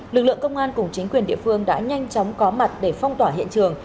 lực lượng công an cùng chính quyền địa phương đã nhanh chóng có mặt để phong tỏa hiện trường